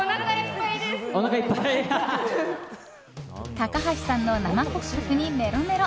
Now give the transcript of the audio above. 高橋さんの生告白にメロメロ！